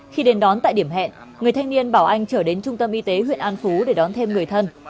khi đến đón tại điểm hẹn người thanh niên bảo anh trở đến trung tâm y tế huyện an phú để đón thêm người thân